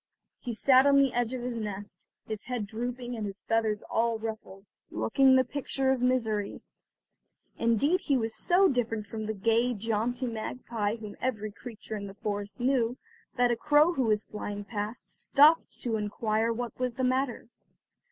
He sat on the edge of his nest, his head drooping and his feathers all ruffled, looking the picture of misery. Indeed he was so different from the gay, jaunty magpie whom every creature in the forest knew, that a crow who was flying past, stopped to inquire what was the matter.